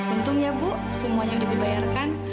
untung ya bu semuanya sudah dibayarkan